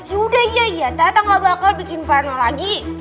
yaudah iya iya tata gak bakal bikin parno lagi